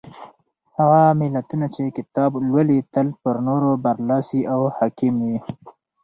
هغه ملتونه چې کتاب لولي تل پر نورو برلاسي او حاکم وي.